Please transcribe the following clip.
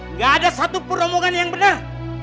nggak ada satu perombongan yang benar